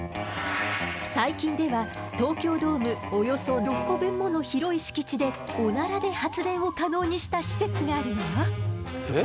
最近では東京ドームおよそ６個分もの広い敷地でオナラで発電を可能にした施設があるのよ。